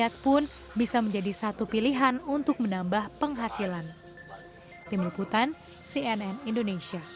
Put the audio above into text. jenis usaha ikan ihias pun bisa menjadi satu pilihan untuk menambah penghasilan